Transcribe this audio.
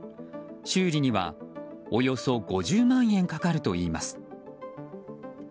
修理には、およそ５０万円かかるといいます。